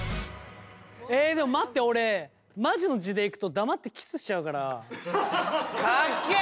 えでも待って俺マジの地でいくと黙ってキスしちゃうから。かっけえ！